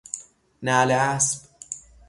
نعل اسب